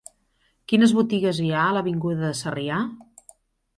Quines botigues hi ha a l'avinguda de Sarrià?